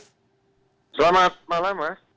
selamat malam mas